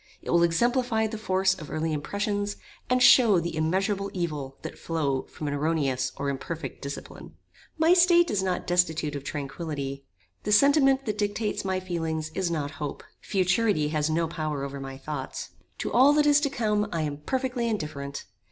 It will exemplify the force of early impressions, and show the immeasurable evils that flow from an erroneous or imperfect discipline. My state is not destitute of tranquillity. The sentiment that dictates my feelings is not hope. Futurity has no power over my thoughts. To all that is to come I am perfectly indifferent.